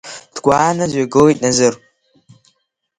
Дгәааны дҩагылеит Назыр.